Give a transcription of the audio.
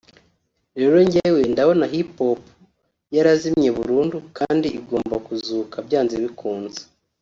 rero njyewe ndabona hip hop yarazimye burundu kandi igomba kuzuka byanze bikunze